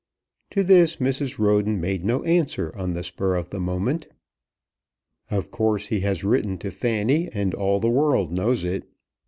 To this Mrs. Roden made no answer on the spur of the moment. "Of course he has written to Fanny, and all the world knows it.